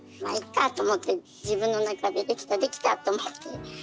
まいっかと思って自分の中で出来た出来たと思って。